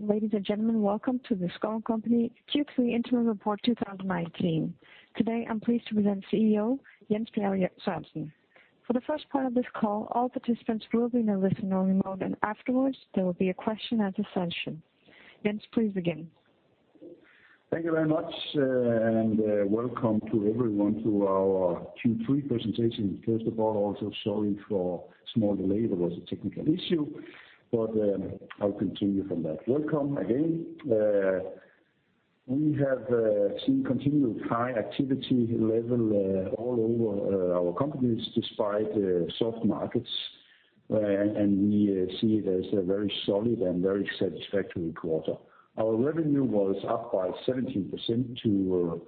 Ladies and gentlemen, welcome to the Schouw & Co. Q3 Interim Report 2019. Today, I'm pleased to present CEO, Jens Bjerg Sørensen. For the first part of this call, all participants will be in a listen-only mode, and afterwards there will be a question and answer session. Jens, please begin. Thank you very much. Welcome to everyone to our Q3 presentation. First of all, also, sorry for small delay. There was a technical issue, but I'll continue from that. Welcome again. We have seen continued high activity level all over our companies despite soft markets, and we see it as a very solid and very satisfactory quarter. Our revenue was up by 17% to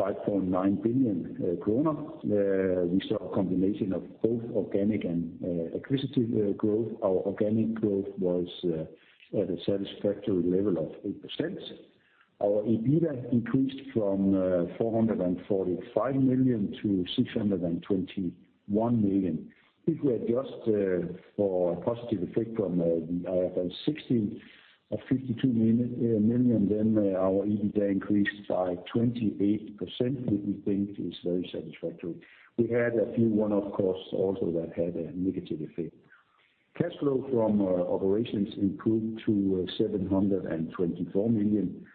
5.9 billion kroner. We saw a combination of both organic and acquisitive growth. Our organic growth was at a satisfactory level of 80%. Our EBITDA increased from 445 million to 621 million. If we adjust for a positive effect from the IFRS 16 of 52 million, then our EBITDA increased by 28%, which we think is very satisfactory. We had a few one-off costs also that had a negative effect. Cash flow from operations improved to 724 million.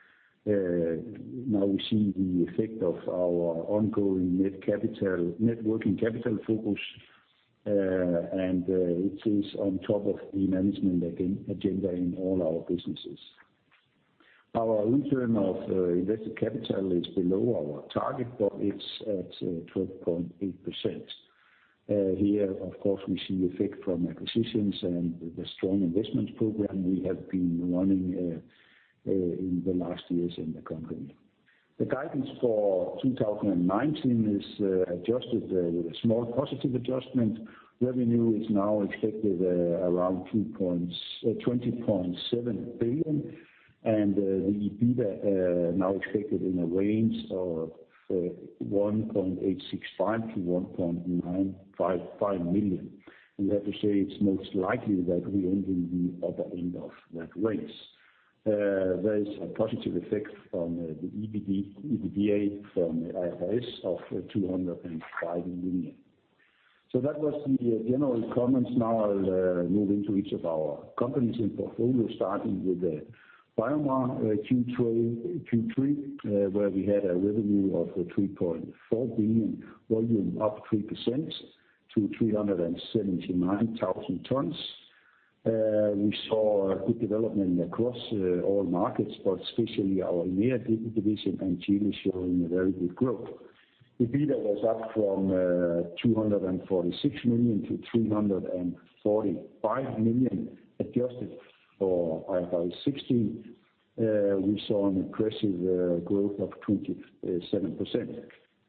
We see the effect of our ongoing net working capital focus, and it is on top of the management agenda in all our businesses. Our return of invested capital is below our target, it's at 12.8%. Here, of course, we see effect from acquisitions and the strong investments program we have been running in the last years in the company. The guidance for 2019 is adjusted with a small positive adjustment. Revenue is now expected around 20.7 billion and the EBITDA now expected in a range of 1,865 million-1,955 million. We have to say it's most likely that we end in the upper end of that range. There is a positive effect on the EBITDA from IFRS of 205 million. That was the general comments. Now I'll move into each of our companies in portfolio, starting with the BioMar Q3, where we had a revenue of 3.4 billion, volume up 3% to 379,000 tons. We saw a good development across all markets, but especially our EMEA division and Chile showing a very good growth. EBITDA was up from 246 million to 345 million, adjusted for IFRS 16. We saw an impressive growth of 27%.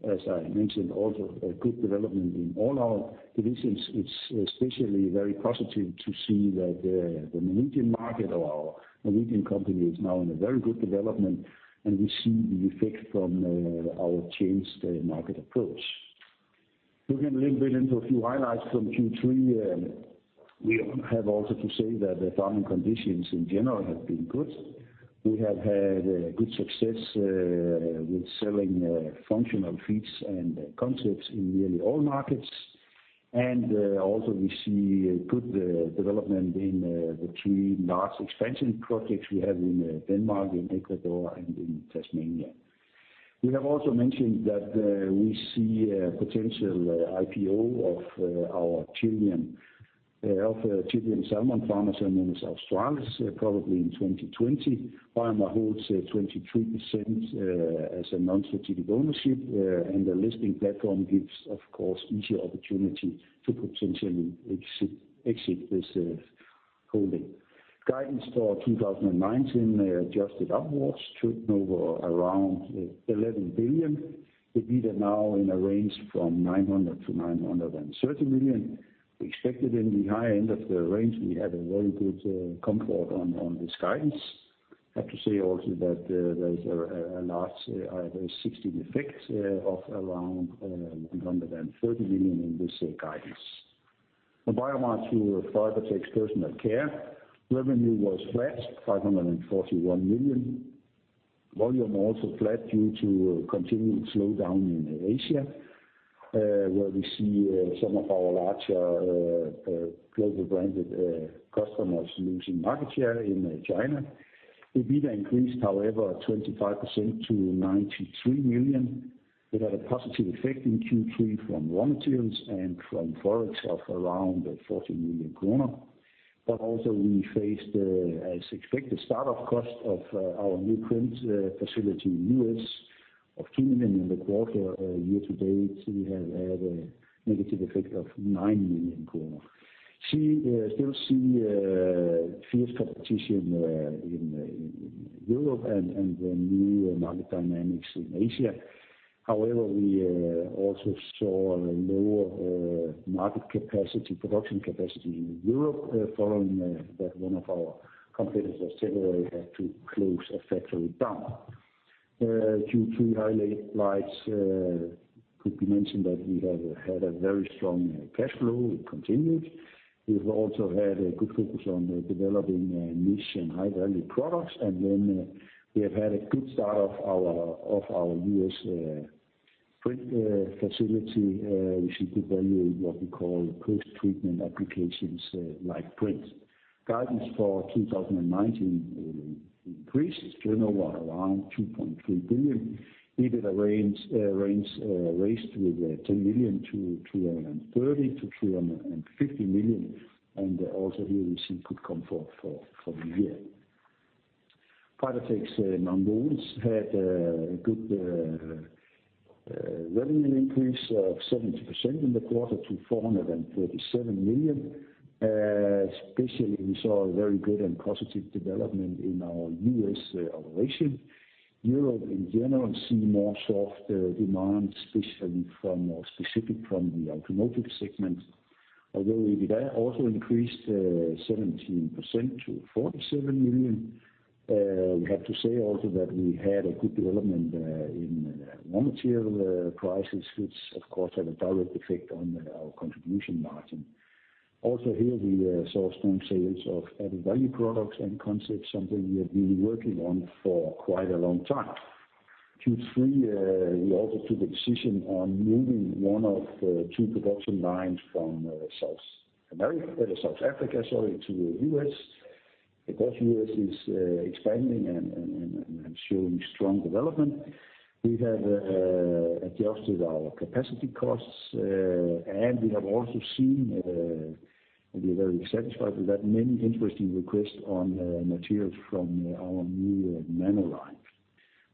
As I mentioned, also a good development in all our divisions. It's especially very positive to see that the Norwegian market or our Norwegian company is now in a very good development, and we see the effect from our changed market approach. Looking a little bit into a few highlights from Q3. We have also to say that the farming conditions in general have been good. We have had good success with selling functional feeds and concepts in nearly all markets, and also we see a good development in the three large expansion projects we have in Denmark, in Ecuador and in Tasmania. We have also mentioned that we see a potential IPO of Chilean Salmon Farmers, known as Australis, probably in 2020. BioMar holds 23% as a non-strategic ownership and the listing platform gives, of course, easier opportunity to potentially exit this holding. Guidance for 2019 adjusted upwards to turnover around 11 billion. EBITDA now in a range from 900 million-930 million. We expect it in the high end of the range. We have a very good comfort on this guidance. We have to say also that there is a large IFRS 16 effect of around 130 million in this guidance. From BioMar to Fibertex Personal Care. Revenue was flat, 541 million. Volume also flat due to continued slowdown in Asia, where we see some of our larger global branded customers losing market share in China. EBITDA increased, however, 25% to 93 million. We've had a positive effect in Q3 from raw materials and from ForEx of around 40 million kroner. Also we faced, as expected, start-up cost of our new print facility in U.S. of 10 million in the quarter. Year to date, we have had a negative effect of 9 million. Still see fierce competition in Europe and the new market dynamics in Asia. We also saw a lower market capacity, production capacity in Europe following that one of our competitors has temporarily had to close a factory down. Q3 highlights could be mentioned that we have had a very strong cash flow. It continues. We've also had a good focus on developing niche and high-value products. We have had a good start of our U.S. print facility. We see good value in what we call post-treatment applications like print. Guidance for 2019 increased turnover around 2.3 billion. EBITDA raised to 330 million-350 million. Also here we see good comfort for the year. Fibertex Nonwovens had a good revenue increase of 17% in the quarter to 437 million. Especially, we saw a very good and positive development in our U.S. operation. Europe in general, see more softer demand, specifically from the automotive segment. Although EBITDA also increased 17% to 47 million. We have to say also that we had a good development in raw material prices, which of course had a direct effect on our contribution margin. Also here we saw strong sales of added-value products and concepts, something we have been working on for quite a long time. Q3, we also took a decision on moving one of two production lines from South Africa, to U.S., because U.S. is expanding and showing strong development. We have adjusted our capacity costs, and we have also seen, and we are very satisfied with that, many interesting requests on materials from our new nano line.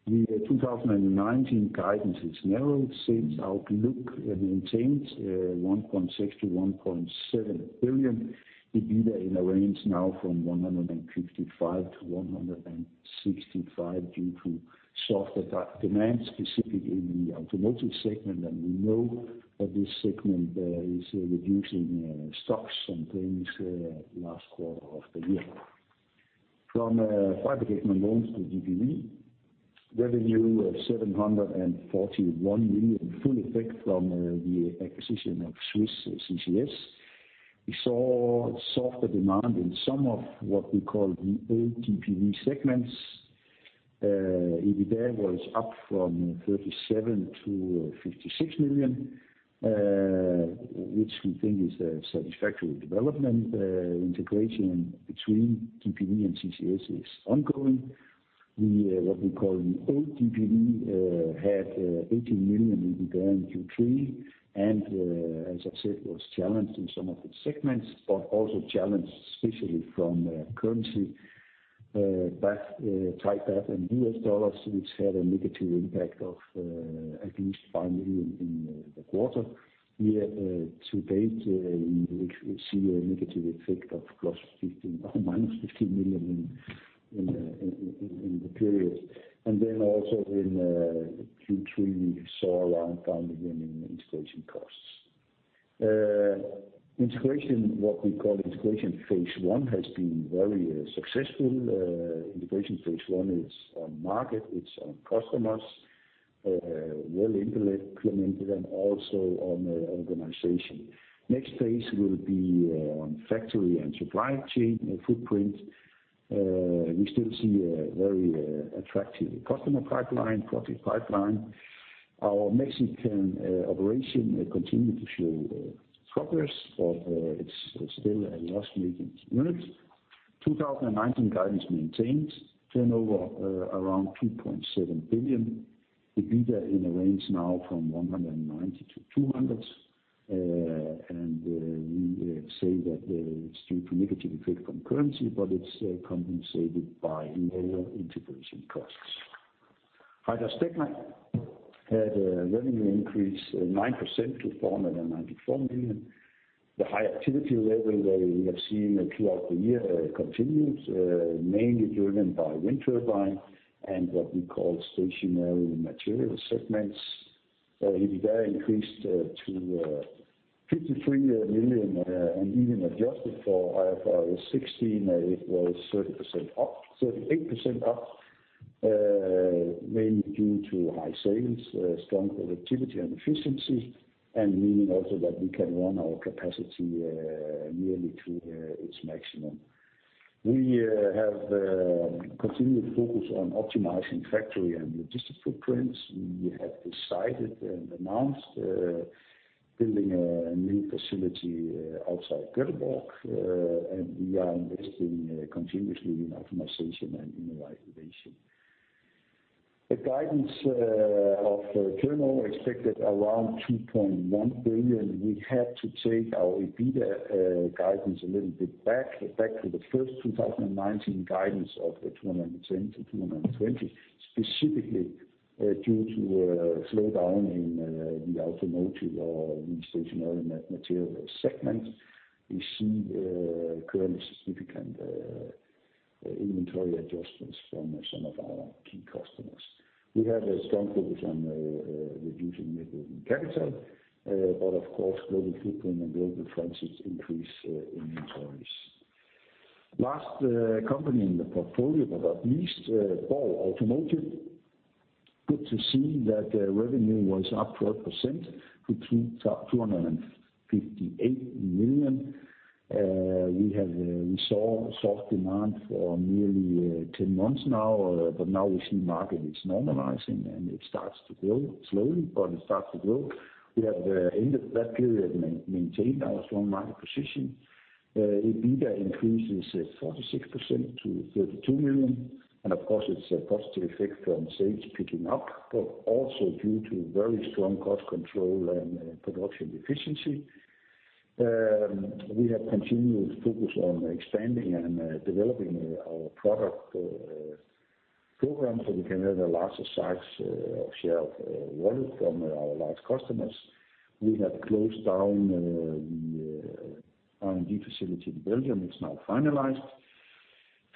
The 2019 guidance is narrowed. Sales outlook maintained, 1.6 billion-1.7 billion. EBITDA in a range now from 155 million-165 million due to softer demand, specifically in the automotive segment. We know that this segment is reducing stocks and things last quarter of the year. From Fibertex Nonwovens to GPV. Revenue of 741 million, full effect from the acquisition of Swiss CCS. We saw softer demand in some of what we call the old GPV segments. EBITDA was up from 37 million to 56 million, which we think is a satisfactory development. Integration between GPV and CCS is ongoing. What we call the old GPV had 18 million in EBITDA in Q3, and as I said, was challenged in some of its segments, but also challenged specifically from currency, Thai baht and U.S. dollars, which had a negative impact of at least 5 million in the quarter. Year to date, we see a negative effect of minus 15 million in the period. Then also in Q3, we saw around DKK 5 million in integration costs. What we call integration phase one has been very successful. Integration phase one is on market, it's on customers, well implemented, and also on the organization. Next phase will be on factory and supply chain footprint. We still see a very attractive customer pipeline, project pipeline. Our Mexican operation continued to show progress, but it's still a loss-making unit. 2019 guidance maintained, turnover around 2.7 billion. EBITDA in the range now from 190 million-200 million. We say that it's due to negative effect from currency, but it's compensated by lower integration costs. HydraSpecma had a revenue increase 9% to 494 million. The high activity level that we have seen throughout the year continues, mainly driven by wind turbine and what we call stationary material segments. EBITDA increased to 53 million, and even adjusted for IFRS 16, it was 38% up, mainly due to high sales, strong productivity, and efficiency, and meaning also that we can run our capacity nearly to its maximum. We have continued focus on optimizing factory and logistic footprints. We have decided and announced building a new facility outside Göteborg, and we are investing continuously in optimization and in automation. The guidance of turnover expected around 2.1 billion. We had to take our EBITDA guidance a little bit back to the first 2019 guidance of 210 million-220 million, specifically due to a slowdown in the automotive or stationary material segment. We see currently significant inventory adjustments from some of our key customers. We have a strong focus on reducing working capital. Of course, global footprint and global presence increase inventories. Last company in the portfolio, but not least, BORG Automotive. Good to see that their revenue was up 12% to 258 million. We saw soft demand for nearly 10 months now, but now we see the market is normalizing, and it starts to grow slowly, but it starts to grow. We have, end of that period, maintained our strong market position. EBITDA increases 46% to 32 million, of course, it's a positive effect from sales picking up, but also due to very strong cost control and production efficiency. We have continued to focus on expanding and developing our product program so we can have a larger size of share of wallet from our large customers. We have closed down the R&D facility in Belgium. It's now finalized.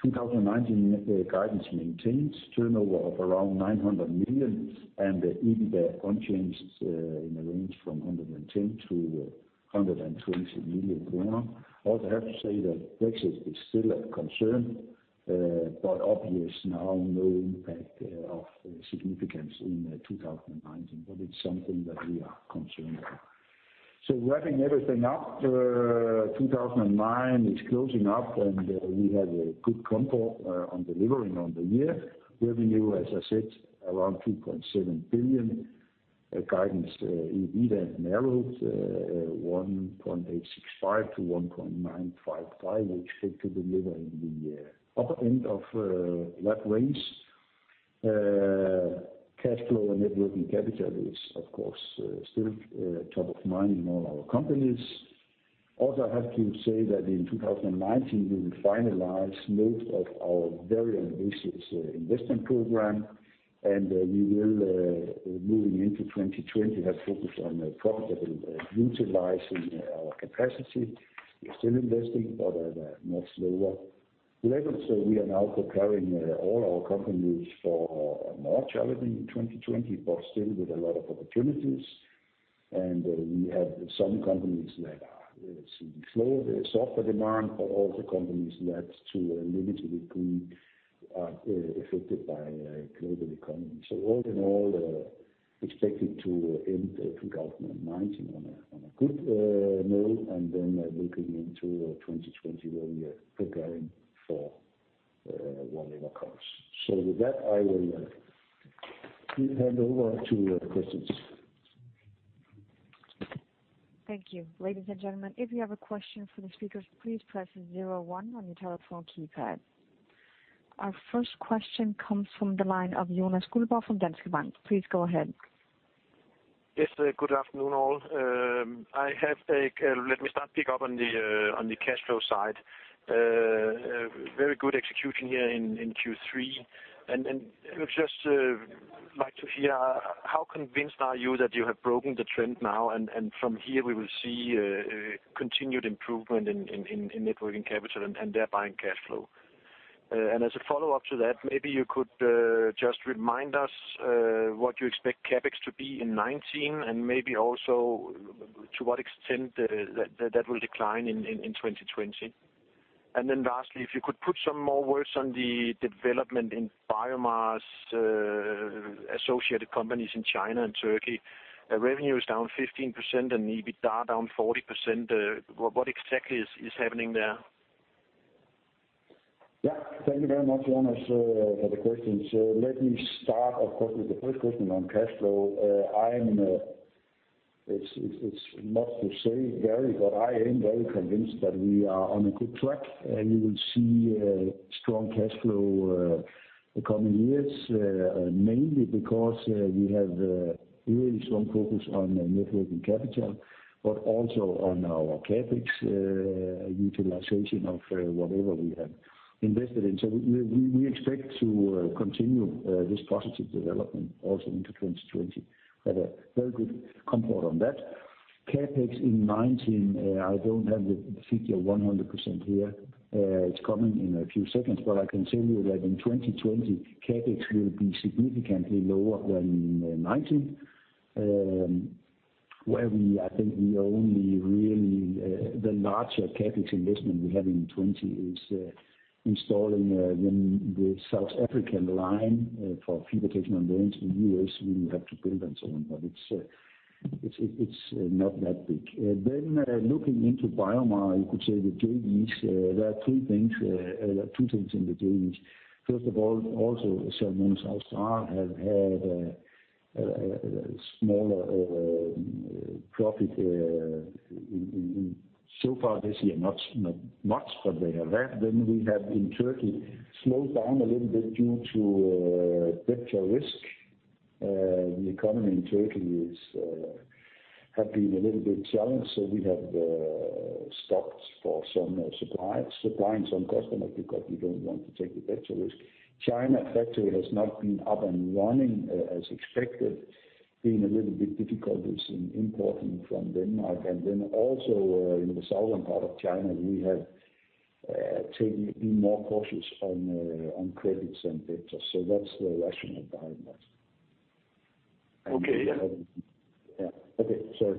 2019 guidance maintains turnover of around 900 million and EBITDA unchanged in the range from 110 million-120 million. Also, I have to say that Brexit is still a concern, but obvious now, no impact of significance in 2019, but it's something that we are concerned about. Wrapping everything up, 2019 is closing up, and we have a good comfort on delivering on the year. Revenue, as I said, around 20.7 billion. Guidance EBITDA narrowed 1.865 billion-1.955 billion, which we expect to deliver in the upper end of that range. Cash flow and net working capital is, of course, still top of mind in all our companies. I have to say that in 2019, we will finalize most of our very ambitious investment program, and we will, moving into 2020, have focus on profitable utilizing our capacity. We're still investing, at a much slower level. We are now preparing all our companies for a more challenging 2020, still with a lot of opportunities. We have some companies that are seeing slower software demand, also companies that, to a limited degree, are affected by global economy. All in all, expected to end 2019 on a good note and then looking into 2020, where we are preparing for whatever comes. With that, I will hand over to questions. Thank you. Ladies and gentlemen, if you have a question for the speakers, please press 01 on your telephone keypad. Our first question comes from the line of Jonas Guldborg Hansen from Danske Bank. Please go ahead. Yes, good afternoon, all. Let me start, pick up on the cash flow side. Very good execution here in Q3. I would just like to hear how convinced are you that you have broken the trend now, and from here we will see a continued improvement in net working capital and thereby in cash flow? As a follow-up to that, maybe you could just remind us what you expect CapEx to be in 2019, and maybe also to what extent that will decline in 2020. Then lastly, if you could put some more words on the development in BioMar associated companies in China and Turkey. Revenue is down 15% and EBITDA down 40%. What exactly is happening there? Thank you very much, Jonas, for the questions. Let me start, of course, with the first question on cash flow. It's not to say very, but I am very convinced that we are on a good track, and you will see strong cash flow the coming years, mainly because we have a really strong focus on net working capital, but also on our CapEx utilization of whatever we have invested in. We expect to continue this positive development also into 2020. Had a very good comfort on that. CapEx in 2019, I don't have the figure 100% here. It's coming in a few seconds, but I can tell you that in 2020, CapEx will be significantly lower than in 2019, where I think the only really the larger CapEx investment we have in 2020 is installing the South African line for fabrication of wings. In the U.S., we will have to build and so on, but it's not that big. Looking into BioMar's, you could say the JVs, there are two things in the JVs. First of all, also Cellnex, our star, have had a smaller profit in so far this year, not much, but they have had. We have in Turkey slowed down a little bit due to debtor risk. The economy in Turkey have been a little bit challenged, we have stopped for some supplying some customers because we don't want to take the debtor risk. China factory has not been up and running as expected, been a little bit difficulties in importing from Denmark. Also in the southern part of China, we have been more cautious on credits and debtors. That's the rationale behind that. Okay. Yeah. Okay, sorry.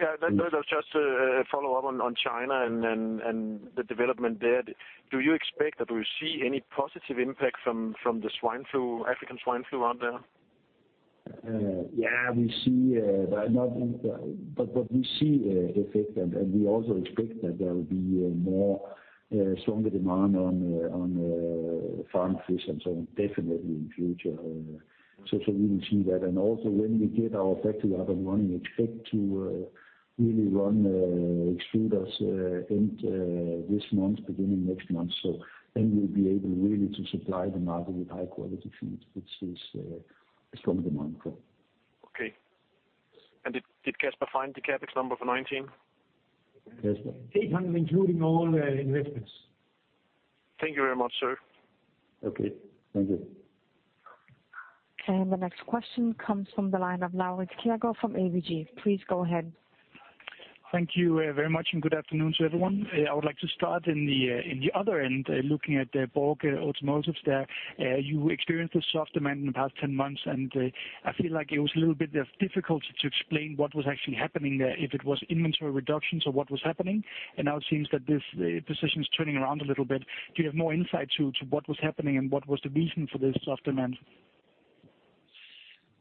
That's just a follow-up on China and the development there. Do you expect, or do you see any positive impact from the African swine fever out there? What we see effect, we also expect that there will be a more stronger demand on functional feeds and so on definitely in future. We will see that. Also when we get our factory up and running, expect to really run extruders end this month, beginning next month. Then we'll be able really to supply the market with high-quality feed, which is a strong demand for. Okay. Did Kasper find the CapEx number for 2019? Kasper. 800, including all the investments. Thank you very much, sir. Okay. Thank you. The next question comes from the line of Laurits Kjaergaard from ABG. Please go ahead. Thank you very much, and good afternoon to everyone. I would like to start in the other end, looking at the BORG Automotive there. You experienced a soft demand in the past 10 months, and I feel like it was a little bit difficult to explain what was actually happening there, if it was inventory reductions or what was happening. Now it seems that this position is turning around a little bit. Do you have more insight to what was happening and what was the reason for this soft demand?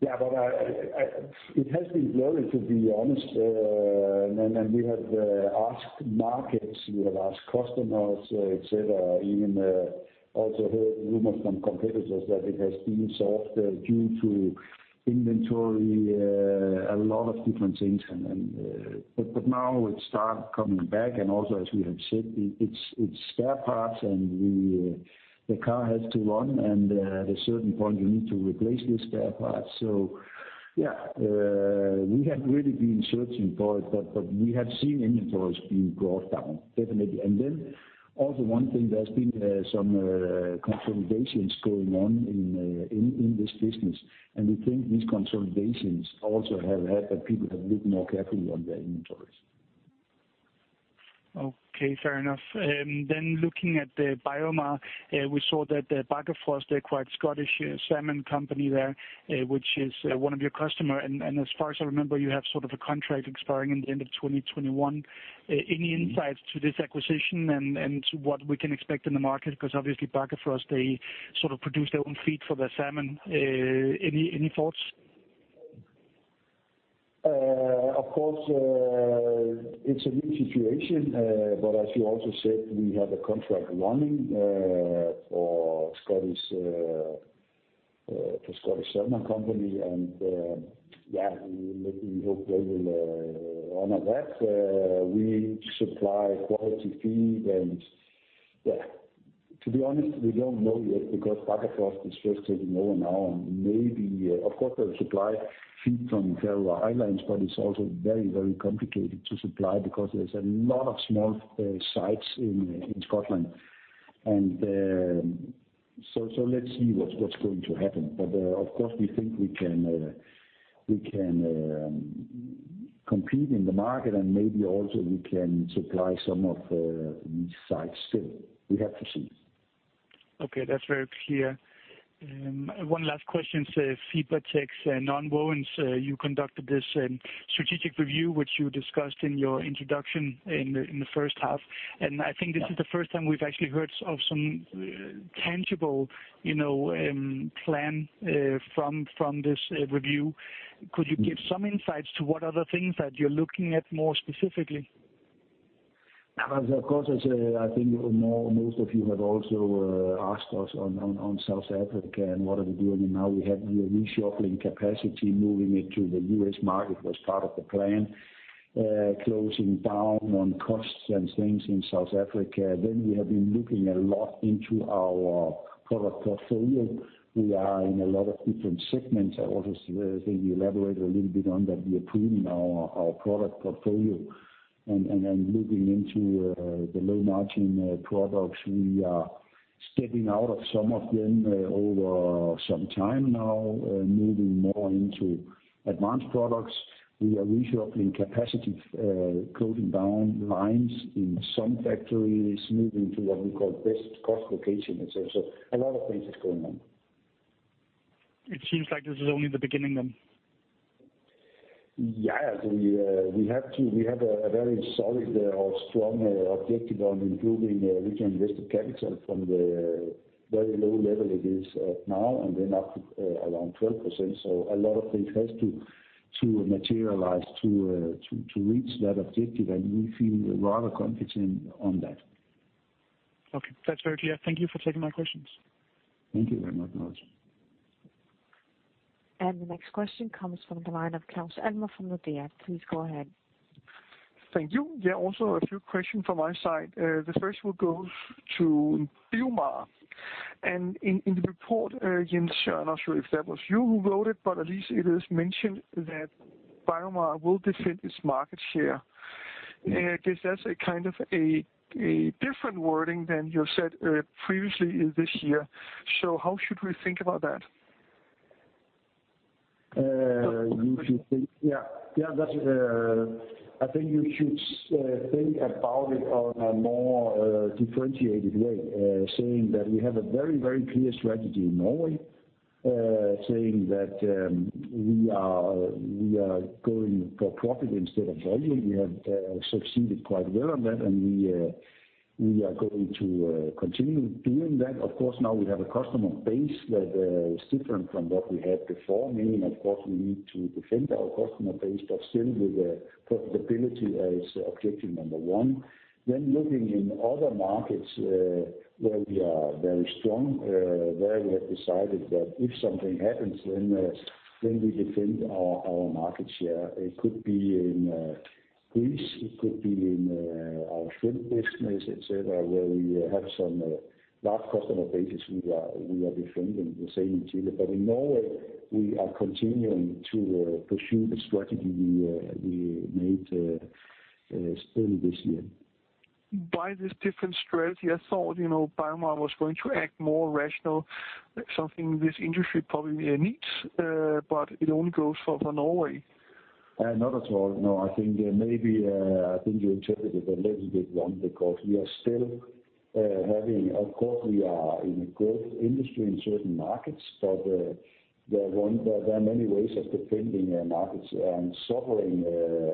It has been blurry, to be honest. We have asked markets, we have asked customers, et cetera, even also heard rumors from competitors that it has been soft due to inventory, a lot of different things. Now it's started coming back, and also as we have said, it's spare parts and the car has to run, and at a certain point, you need to replace these spare parts. Yeah, we have really been searching for it, but we have seen inventories being brought down, definitely. Also one thing, there's been some consolidations going on in this business, and we think these consolidations also have had that people have looked more carefully on their inventories. Okay, fair enough. Looking at the BioMar, we saw that Bakkafrost acquired The Scottish Salmon Company there, which is one of your customer. As far as I remember, you have sort of a contract expiring in the end of 2021. Any insights to this acquisition and to what we can expect in the market? Obviously Bakkafrost, they sort of produce their own feed for their salmon. Any thoughts? Of course, it's a new situation. As you also said, we have a contract running for Scottish Salmon Company, and yeah, we hope they will honor that. We supply quality feed and yeah. To be honest, we don't know yet because Bakkafrost is first taking over now and maybe, of course, they supply feed from Faroe Islands, but it's also very, very complicated to supply because there's a lot of small sites in Scotland. Let's see what's going to happen. Of course, we think we can compete in the market and maybe also we can supply some of these sites still. We have to see. Okay, that's very clear. One last question, Fibertex Nonwovens, you conducted this strategic review, which you discussed in your introduction in the first half. I think this is the first time we've actually heard of some tangible plan from this review. Could you give some insights to what other things that you're looking at more specifically? Of course, as I think most of you have also asked us on South Africa and what are we doing, and now we have here reshuffling capacity, moving it to the U.S. market was part of the plan. Closing down on costs and things in South Africa. We have been looking a lot into our product portfolio. We are in a lot of different segments. I also think we elaborated a little bit on that we are pruning our product portfolio. Looking into the low-margin products, we are stepping out of some of them over some time now, moving more into advanced products. We are reshuffling capacity, closing down lines in some factories, moving to what we call best cost location, et cetera. A lot of things is going on. It seems like this is only the beginning, then. Yeah. We have a very solid or strong objective on improving return on invested capital from the very low level it is at now and then up around 12%. A lot of things has to materialize to reach that objective, and we feel rather confident on that. Okay. That's very clear. Thank you for taking my questions. Thank you very much. The next question comes from the line of Claus Almer from Nordea. Please go ahead. Thank you. Yeah, also a few question from my side. The first will go to BioMar. In the report, Jens, I'm not sure if that was you who wrote it, but at least it is mentioned that BioMar will defend its market share. I guess that's a kind of a different wording than you said previously this year. How should we think about that? Yeah. I think you should think about it on a more differentiated way, saying that we have a very, very clear strategy in Norway. Saying that we are going for profit instead of volume. We have succeeded quite well on that, we are going to continue doing that. Of course, now we have a customer base that is different from what we had before, meaning, of course, we need to defend our customer base, still with profitability as objective number 1. Looking in other markets where we are very strong, where we have decided that if something happens, we defend our market share. It could be in Greece, it could be in our shrimp business, et cetera, where we have some large customer bases we are defending the same. In Norway, we are continuing to pursue the strategy we made early this year. By this different strategy, I thought, BioMar was going to act more rational, something this industry probably needs. It only goes for Norway. Not at all, no. I think you interpreted it a little bit wrong, because of course, we are in a growth industry in certain markets, but there are many ways of defending our markets. Suffering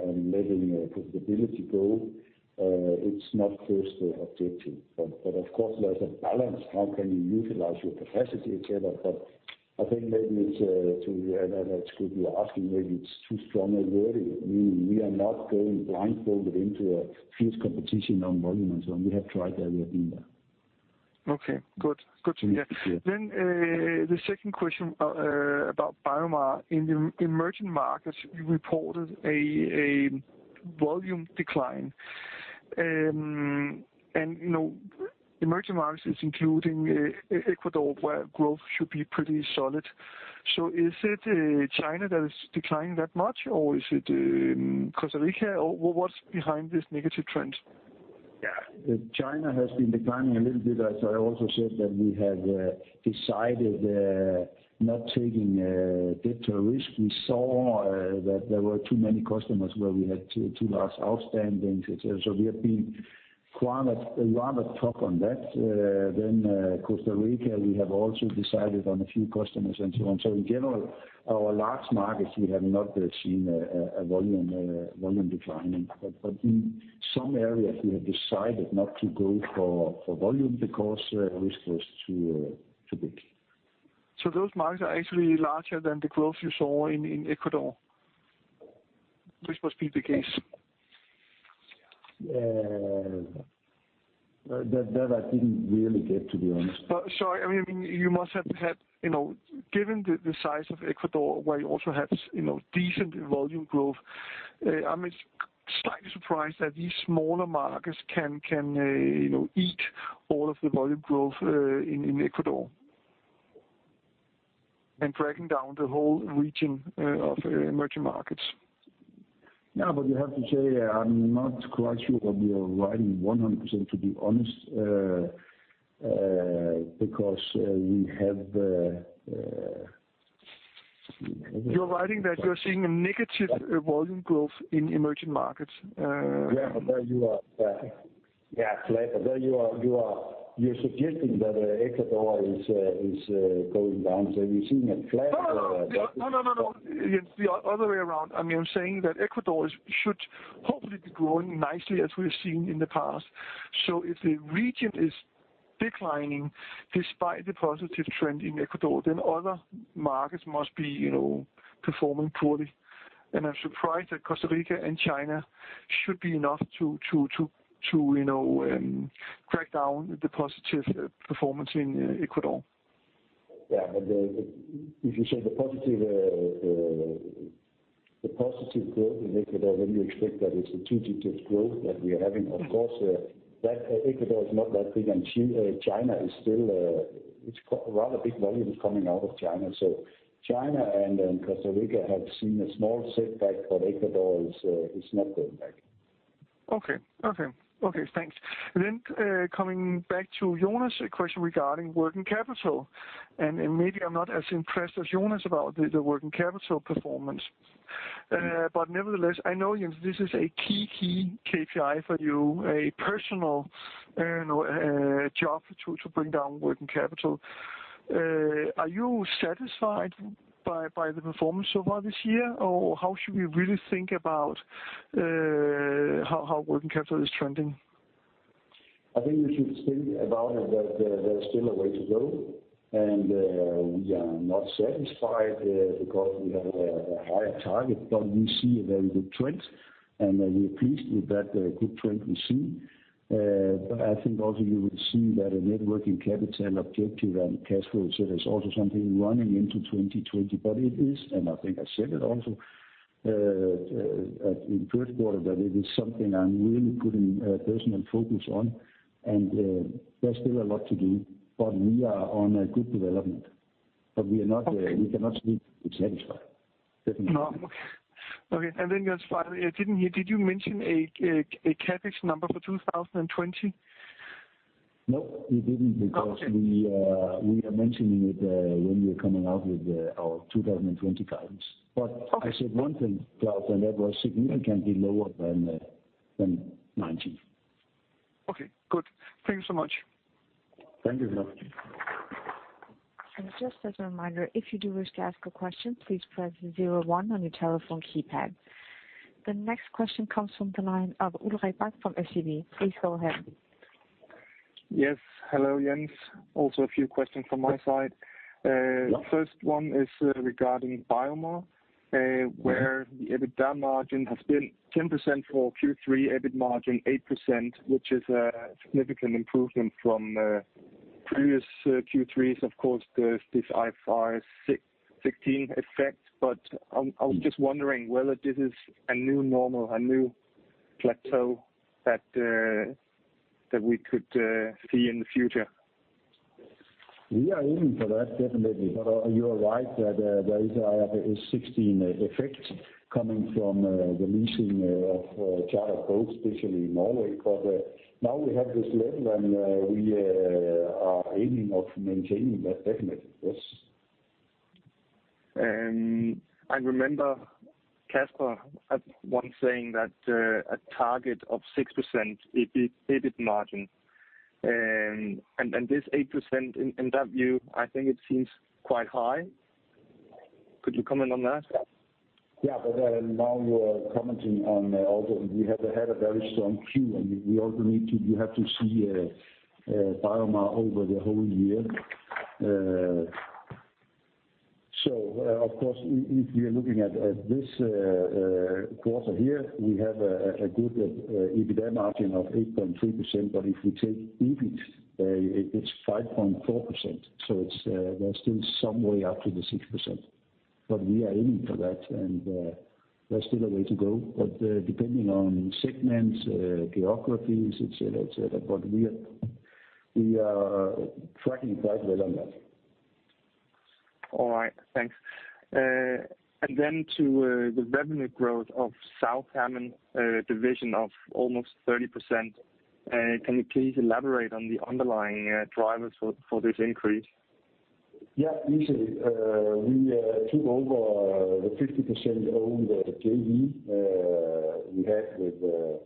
and letting profitability go, it's not first objective. Of course, there's a balance. How can you utilize your capacity, et cetera? I think maybe it's, to you, and that's good you're asking, maybe it's too strong a word. We are not going blindfolded into a fierce competition on volume and so on. We have tried that. We have been there. Okay, good. The second question about BioMar. In the emerging markets, you reported a volume decline. Emerging markets is including Ecuador, where growth should be pretty solid. Is it China that is declining that much, or is it Costa Rica, or what's behind this negative trend? Yeah. China has been declining a little bit, as I also said that we have decided not taking debt or risk. We saw that there were too many customers where we had too large outstandings, et cetera. We have been rather tough on that. Costa Rica, we have also decided on a few customers and so on. In general, our large markets, we have not seen a volume declining. In some areas, we have decided not to go for volume because risk was too big. Those markets are actually larger than the growth you saw in Ecuador. This must be the case. That I didn't really get, to be honest. Sorry. You must have had, given the size of Ecuador, where you also have decent volume growth, I'm slightly surprised that these smaller markets can eat all of the volume growth in Ecuador and dragging down the whole region of emerging markets. Yeah, you have to say, I'm not quite sure what you're writing 100%, to be honest, because we have You're writing that you're seeing a negative volume growth in emerging markets. There you are suggesting that Ecuador is going down. Are you seeing a flat or a-? No. Jens, the other way around. I'm saying that Ecuador should hopefully be growing nicely, as we've seen in the past. If the region is declining despite the positive trend in Ecuador, then other markets must be performing poorly. I'm surprised that Costa Rica and China should be enough to crack down the positive performance in Ecuador. Yeah, if you say the positive growth in Ecuador, then you expect that it's a two-digit growth that we are having. Of course, Ecuador is not that big and it's rather big volumes coming out of China. China and Costa Rica have seen a small setback, but Ecuador is not going back. Okay. Thanks. Coming back to Jonas' question regarding working capital, maybe I'm not as impressed as Jonas about the working capital performance. Nevertheless, I know, Jens, this is a key KPI for you, a personal job to bring down working capital. Are you satisfied by the performance so far this year, or how should we really think about how working capital is trending? I think you should think about it that there's still a way to go, and we are not satisfied because we have a higher target. We see a very good trend, and we are pleased with that good trend we see. I think also you will see that a net working capital objective and cash flow, so there's also something running into 2020. It is, and I think I said it also in first quarter, that it is something I'm really putting a personal focus on. There's still a lot to do. We are on a good development. We cannot sleep satisfied. Definitely. No. Okay. Just finally, did you mention a CapEx number for 2020? No, we didn't, because we are mentioning it when we are coming out with our 2020 guidance. I said one thing, that was significantly lower than 2019. Okay, good. Thank you so much. Thank you very much. Just as a reminder, if you do wish to ask a question, please press zero one on your telephone keypad. The next question comes from the line of Ulrik Bak from SEB. Please go ahead. Yes. Hello, Jens. Also a few questions from my side. Yeah. First one is regarding BioMar, where the EBITDA margin has been 10% for Q3, EBIT margin 8%, which is a significant improvement from previous Q3s. Of course, there is this IFRS 16 effect, I was just wondering whether this is a new normal, a new plateau that we could see in the future. We are aiming for that, definitely. You are right that there is IFRS 16 effect coming from the leasing of charter boats, especially in Norway. Now we have this level, and we are aiming of maintaining that definitely, yes. I remember Kasper at one saying that a target of 6% EBIT margin. This 8% in that view, I think it seems quite high. Could you comment on that? Yeah. Now you are commenting on also, we have had a very strong Q, and you have to see BioMar over the whole year. Of course, if you're looking at this quarter here, we have a good EBITDA margin of 8.3%, but if we take EBIT, it's 5.4%. We're still some way up to the 6%. We are aiming for that, and there's still a way to go. Depending on segments, geographies, et cetera, but we are tracking quite well on that. All right, thanks. Then to the revenue growth of South Salmon division of almost 30%. Can you please elaborate on the underlying drivers for this increase? Yeah, easily. We took over the 50% owned JV we had with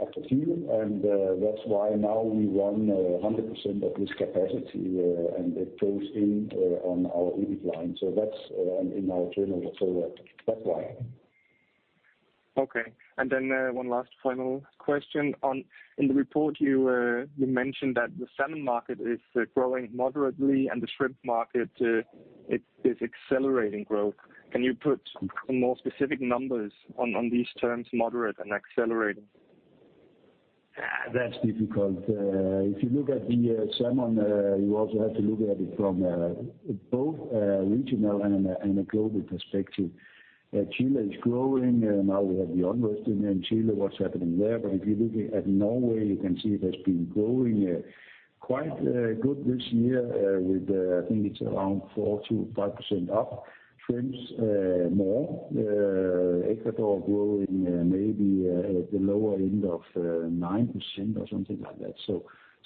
AquaChile, and that's why now we run 100% of this capacity, and it goes in on our EBIT line. That's in our journal. That's why. Okay. One last final question on, in the report you mentioned that the salmon market is growing moderately and the shrimp market is accelerating growth. Can you put more specific numbers on these terms, moderate and accelerating? That's difficult. If you look at the salmon, you also have to look at it from both a regional and a global perspective. Chile is growing. We have the unrest in Chile, what's happening there. If you're looking at Norway, you can see it has been growing quite good this year with, I think it's around 4%-5% up. Shrimps more. Ecuador growing maybe at the lower end of 9% or something like that.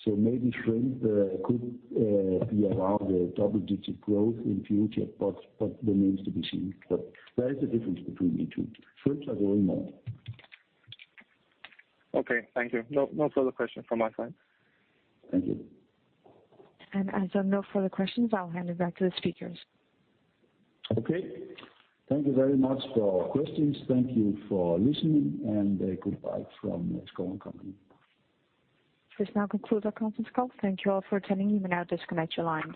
Maybe shrimp could be around a double-digit growth in future, that remains to be seen. There is a difference between the two. Shrimps are growing more. Okay, thank you. No further question from my side. Thank you. As there are no further questions, I'll hand it back to the speakers. Okay. Thank you very much for questions. Thank you for listening, and goodbye from Schouw & Co. This now concludes our conference call. Thank you all for attending. You may now disconnect your lines.